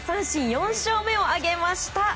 ４勝目を挙げました。